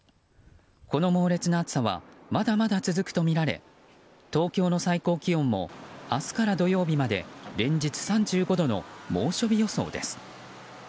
この猛烈な暑さはまだまだ続くとみられ東京の最高気温も明日から土曜日まで連日３５度の猛暑日予想です。